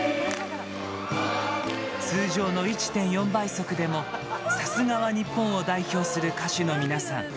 通常の１．４倍速でもさすがは日本を代表する歌手の皆さん。